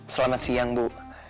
selamat siang bu